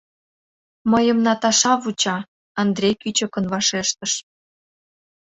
— Мыйым Наташа вуча, — Андрей кӱчыкын вашештыш.